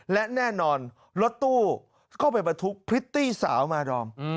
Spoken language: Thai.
และแน่นอนรถตู้ก็ไปบรรทุกพริตตี้สาวมาดอม